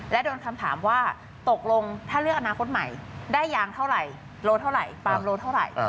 และโดนคำถามว่าตกลงถ้าเลือกอนาคตใหม่ได้ยางเท่าไหร่โลเท่าไหร่ฟาร์มโลเท่าไหร่